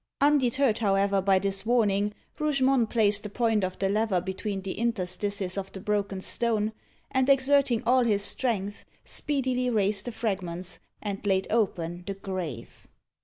Undeterred, however, by this warning, Rougemont placed the point of the lever between the interstices of the broken stone, and, exerting all his strength, speedily raised the fragments, and laid open the grave.